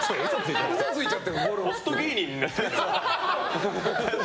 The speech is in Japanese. ホスト芸人になっちゃってる。